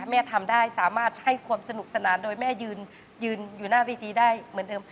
แม่ทำได้สามารถให้ความสนุกสนานโดยแม่ยืนอยู่หน้าเวทีได้เหมือนเดิม